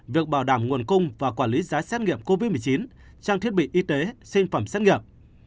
việc bảo đảm nguồn cung và quản lý giá xét nghiệm covid một mươi chín trang thiết bị y tế sinh phẩm xét nghiệm